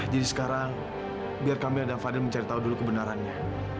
jadi sekarang biar kamila dan fadil mencari tahu dulu kebenarannya